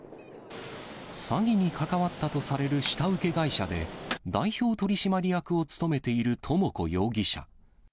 詐欺に関わったとされる下請け会社で、代表取締役を務めている智子容疑者。